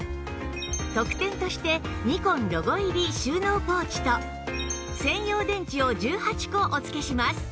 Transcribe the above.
特典としてニコンロゴ入り収納ポーチと専用電池を１８個お付けします